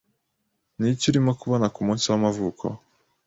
Niki urimo kubona kumunsi w'amavuko?